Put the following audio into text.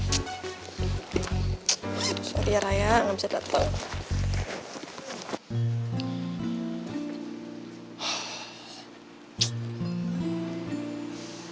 sorry ya raya gak bisa dateng